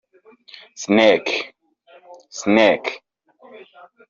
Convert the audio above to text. snake